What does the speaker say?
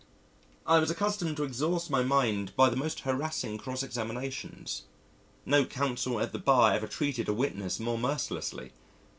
I was accustomed to exhaust my mind by the most harassing cross examinations no Counsel at the Bar ever treated a witness more mercilessly.